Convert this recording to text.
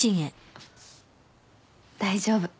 大丈夫。